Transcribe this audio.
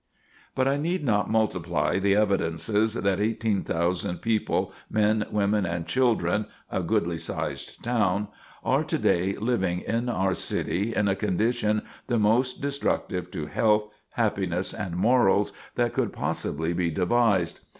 But I need not multiply the evidences that 18,000 people, men, women, and children (a goodly sized town), are to day living in our city in a condition the most destructive to health, happiness, and morals that could possibly be devised.